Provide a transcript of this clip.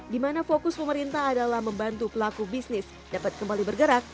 di mana fokus pemerintah adalah membantu pelaku bisnis dapat kembali bergerak